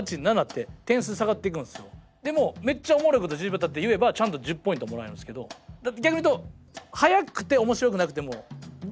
でもめっちゃおもろいこと１０秒たって言えばちゃんと１０ポイントもらえるんですけど逆に言うと早くて面白くなくても１０ポイントもらえるんで。